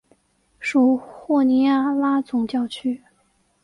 属霍尼亚拉总教区。